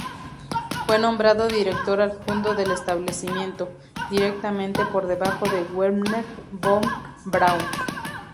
Fue nombrado director adjunto del establecimiento, directamente por debajo de Wernher von Braun.